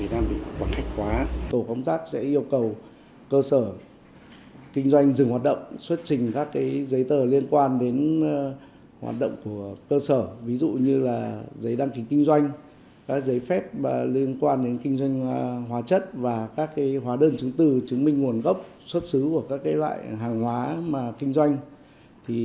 tổ công tác sẽ yêu cầu cơ sở kinh doanh dừng hoạt động xuất trình các giấy tờ liên quan đến hoạt động của cơ sở ví dụ như giấy đăng ký kinh doanh giấy phép liên quan đến kinh doanh hóa chất và các hóa đơn chứng từ chứng minh nguồn gốc xuất xứ của các loại hàng hóa kinh doanh